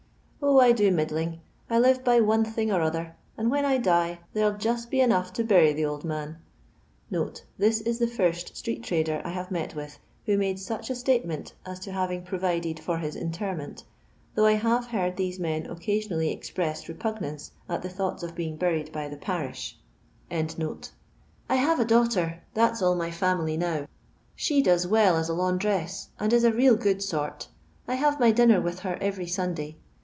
O, I do middling : I live by one thing or md when I die there '11 just be enough to e old man." [This is the first street trader met with who made such a statement as to provided for his interment, though I have these men occasionally express repugnance though ta of being buried by the pansh.] " I daughter, that's all my fiunily now; she does well as a laundress, and is a real good sort ; I have my dinner with her every Sunday.